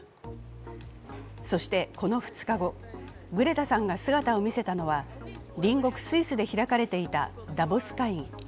そして、この２日後、グレタさんが姿を見せたのが隣国スイスで開かれていたダボス会議。